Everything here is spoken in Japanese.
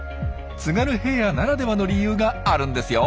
津軽平野ならではの理由があるんですよ。